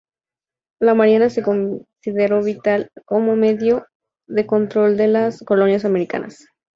La Marina se consideró vital como medio de control de las colonias americanas.